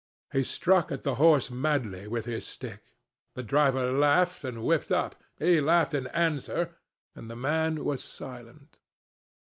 He struck at the horse madly with his stick. The driver laughed and whipped up. He laughed in answer, and the man was silent.